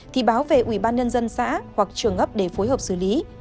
thì báo về ủy ban nhân dân xã hoặc trường ấp để phối hợp xử lý